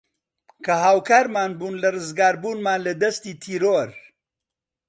کە هاوکارمان بوون لە رزگاربوونمان لە دەستی تیرۆر